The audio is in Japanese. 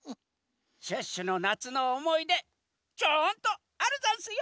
シュッシュのなつのおもいでちゃんとあるざんすよ！